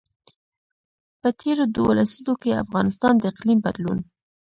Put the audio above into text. په تېرو دوو لسیزو کې افغانستان د اقلیم بدلون.